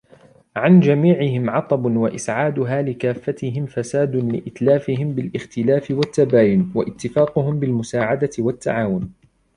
عَنْ جَمِيعِهِمْ عَطَبٌ وَإِسْعَادُهَا لِكَافَّتِهِمْ فَسَادٌ لِائْتِلَافِهِمْ بِالِاخْتِلَافِ وَالتَّبَايُنِ ، وَاتِّفَاقِهِمْ بِالْمُسَاعَدَةِ وَالتَّعَاوُنِ